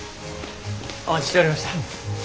お待ちしておりました。